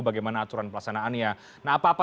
bagaimana aturan pelaksanaannya nah apa apa